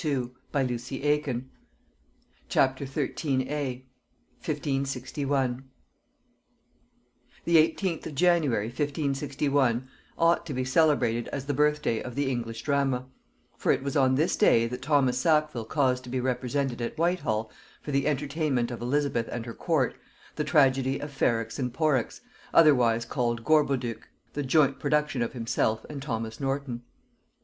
The king of Sweden proposes to visit her. Steps taken in this matter. The eighteenth of January 1561 ought to be celebrated as the birthday of the English drama; for it was on this day that Thomas Sackville caused to be represented at Whitehall, for the entertainment of Elizabeth and her court, the tragedy of Ferrex and Porrex, otherwise called Gorboduc, the joint production of himself and Thomas Norton.